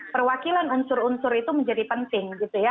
perwakilan unsur unsur itu menjadi penting gitu ya